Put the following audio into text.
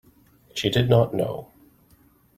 She did not know.